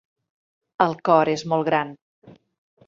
El cor és molt gran.